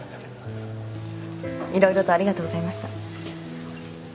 色々とありがとうございました。